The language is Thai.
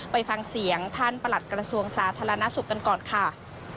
ไปฟังเสียงท่านประหลัดกระทรวงสาธารณสุขกันก่อนค่ะ